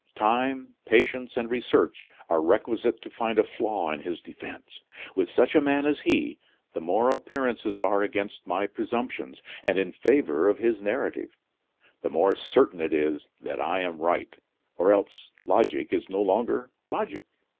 Time, patience, and research are requisite to find a flaw in his defense. With such a man as he is, the more appearances are against my presumptions, and in favor of his narrative, the more certain it is that I am right or else logic is no longer logic."